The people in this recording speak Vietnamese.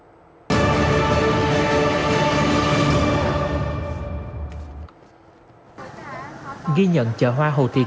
hãy xem video này và hãy đăng ký kênh để nhận thêm nhiều video mới nhé